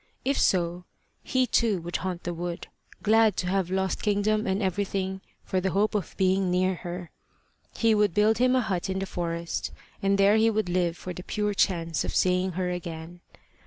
If so, he too would haunt the wood, glad to have lost kingdom and everything for the hope of being near her. He would build him a hut in the forest, and there he would live for the pure chance of seeing her again.